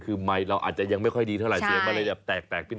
เค้าย้ำไมค่อยดีเท่าไรเป็น